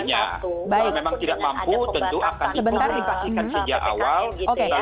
kalau memang tidak mampu tentu akan diperlukan